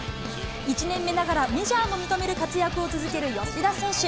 １年目ながら、メジャーも認める活躍を続ける吉田選手。